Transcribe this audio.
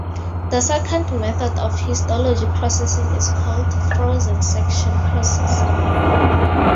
The second method of histology processing is called frozen section processing.